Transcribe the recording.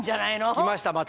来ました？